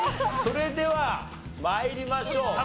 それでは参りましょう。